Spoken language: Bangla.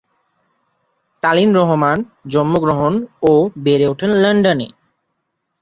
তালিন রহমান জন্মগ্রহণ ও বেড়ে ওঠেন লন্ডনে।